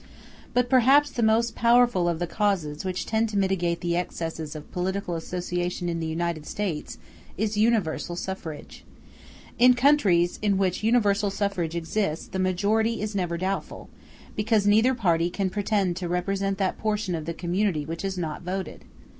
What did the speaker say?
But perhaps the most powerful of the causes which tend to mitigate the excesses of political association in the United States is Universal Suffrage. In countries in which universal suffrage exists the majority is never doubtful, because neither party can pretend to represent that portion of the community which has not voted.